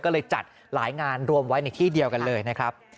ก็เลยจัดหลายงานรวมไว้ในที่เดียวกันเลยนะครับ